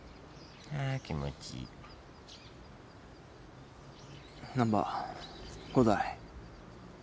あ気持ちいい難破伍代。